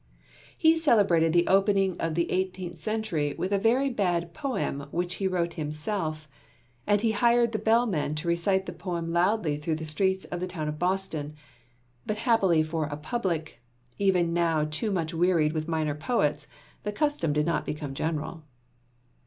He celebrated the opening of the eighteenth century with a very bad poem which he wrote himself, and he hired the bellman to recite the poem loudly through the streets of the town of Boston; but happily for a public, even now too much wearied with minor poets, the custom did not become general.